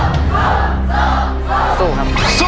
สู้ซูซูซูซู